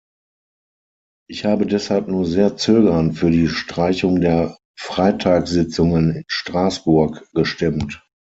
Ich habe deshalb nur sehr zögernd für die Streichung der Freitagssitzungen in Straßburg gestimmt.